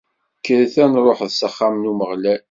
Kkret an-nruḥet s axxam n Umeɣlal!